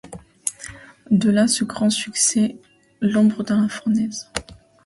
De là ce grand succès : l'ombre dans la fournaise ;